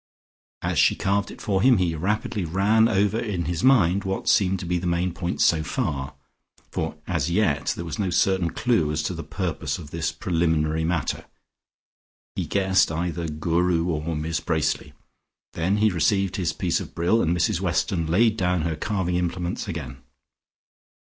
As she carved it for him, he rapidly ran over in his mind what seemed to be the main points so far, for as yet there was no certain clue as to the purpose of this preliminary matter, he guessed either Guru or Miss Bracely. Then he received his piece of brill, and Mrs Weston laid down her carving implements again.